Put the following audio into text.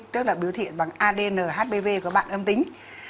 tức là biểu thiện bằng adn hbv của bạn âm tính